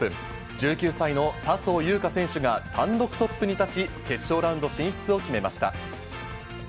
１９歳の笹生優花選手が単独トップに立ち、決勝ラウンド進出を決めました。